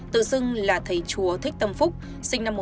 tự xưng là thầy chùa thích tâm phúc sinh năm một nghìn chín trăm tám mươi